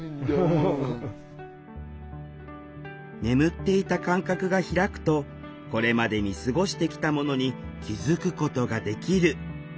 眠っていた感覚がひらくとこれまで見過ごしてきたものに気付くことができる。